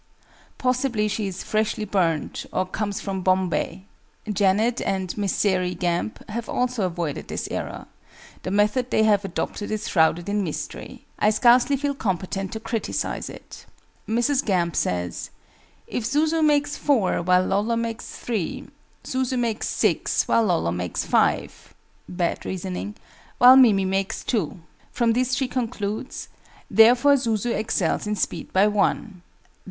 Possibly she is "Freshly Burnt," or comes "From Bombay." JANET and MRS. SAIREY GAMP have also avoided this error: the method they have adopted is shrouded in mystery I scarcely feel competent to criticize it. MRS. GAMP says "if Zuzu makes 4 while Lolo makes 3, Zuzu makes 6 while Lolo makes 5 (bad reasoning), while Mimi makes 2." From this she concludes "therefore Zuzu excels in speed by 1" (_i.